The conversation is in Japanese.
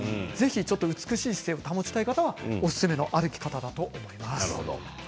美しい姿勢を保ちたい方はおすすめの歩き方だと思います。